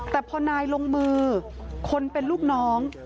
แต่พอนายลงมือคนเป็นลูกน้อง